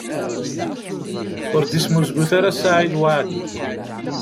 Ur d-isemuzgut ara Saɛid Waɛli.